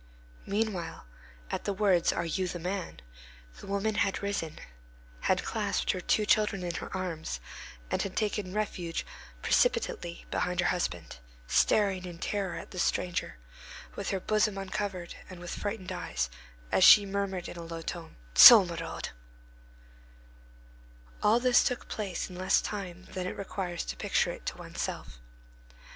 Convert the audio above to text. Meanwhile, at the words, Are you the man? the woman had risen, had clasped her two children in her arms, and had taken refuge precipitately behind her husband, staring in terror at the stranger, with her bosom uncovered, and with frightened eyes, as she murmured in a low tone, _"Tso maraude."_1 All this took place in less time than it requires to picture it to one's self.